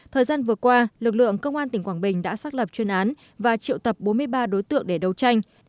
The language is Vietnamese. thời gian vừa qua lực lượng công an tỉnh quảng bình đã xác lập chuyên án và triệu tập bốn mươi ba đối tượng để đấu tranh